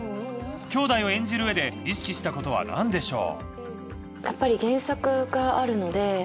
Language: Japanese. きょうだいを演じるうえで意識したことは何でしょう？